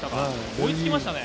追いつきましたね。